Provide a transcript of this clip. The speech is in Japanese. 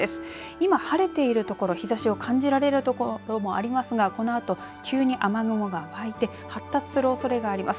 今晴れているところ日ざしを感じられるところもありますがこのあと急に雨雲がわいて発達するおそれがあります。